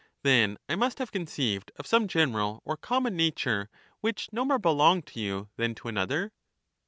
Then I must have conceived of some general or com mon nature which no more belonged to you than to another.